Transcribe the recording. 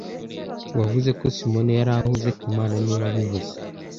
Wavuze ko Simoni yari ahuze kamana niwe wabivuze